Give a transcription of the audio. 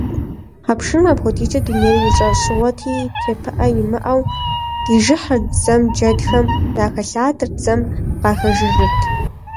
Хьэпшырым апхуэдизкӏэ дунейр и щӏэщыгъуэти, тепыӏэ имыӏэу къижыхьырт, зэм джэдхэм яхэлъадэрт, зэм къахэжыжырт.